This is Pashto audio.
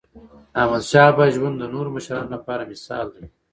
داحمدشاه بابا ژوند د نورو مشرانو لپاره مثال دی.